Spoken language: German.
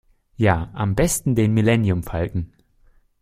Ja, am besten den Milleniumfalken.